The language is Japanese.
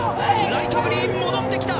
ライトグリーンが戻ってきた。